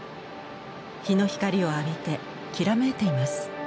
日の光を浴びてきらめいています。